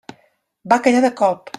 Va callar de colp.